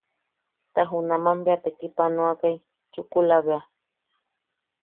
Ta junaman bea tekipanoakai chukula bea.